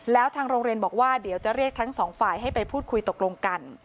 แล้วทางโรงเรียนบอกว่าเดี๋ยวจะเรียกทั้งสองฝ่ายให้ไปพูดคุยตกลงกัน